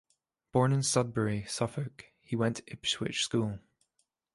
Born in Sudbury, Suffolk, he went to Ipswich School.